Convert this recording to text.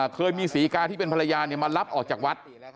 เคยมีศรีกาที่เป็นภรรยามารับออกจากวัด